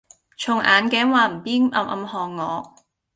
從眼鏡橫邊暗暗看我。